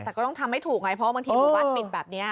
แต่ก็ต้องทำให้ถูกไงเพราะบางทีหมู่บ้านปิดแบบนี้